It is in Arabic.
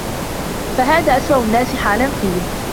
فَهَذَا أَسْوَأُ النَّاسِ حَالًا فِيهِ